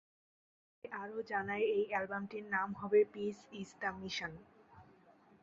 সে আরো জানায় এই অ্যালবামটির নাম হবে "পিস ইজ দ্য মিশন"।